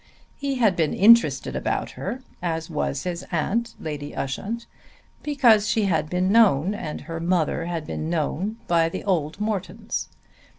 He had been interested about her, as was his aunt, Lady Ushant, because she had been known and her mother had been known by the old Mortons.